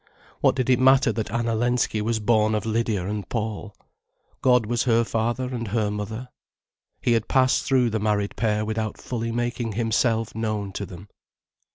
What did it matter, that Anna Lensky was born of Lydia and Paul? God was her father and her mother. He had passed through the married pair without fully making Himself known to them.